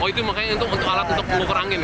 oh itu makanya untuk alat untuk melukar angin ya